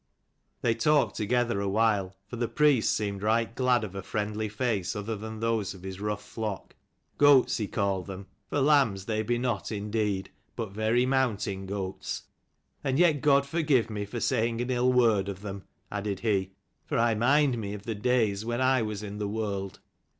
They talked together awhile, for the priest seemed right glad of a friendly face other than those of his rough flock, goats he called them, " for lambs they be not indeed, but very mountain goats. And yet God forgive me for saying an ill word of them," added he: "for I mind me of the days when I was in the world.